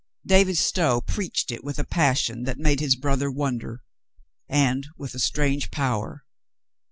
David Stow preached it with a passion that made his brother wonder, and with a strange power.